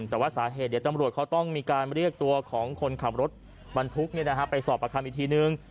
แต่ว่าสาเหตุเดี๋ยวตำรวจเขาต้องมีการเรียกตัวของคนขับรถบรรทุกไปสอบประคำอีกทีนึง